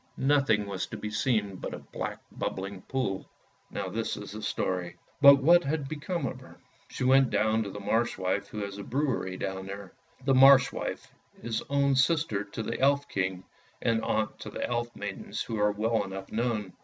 Nothing was to be seen but a black bubbling pool. Now this is the story. But what had become of her ? She went down to the Marsh wife who has a brewery down there. The Marsh wife is own sister to the Elf king, and aunt to the Elf maidens who are well enough known.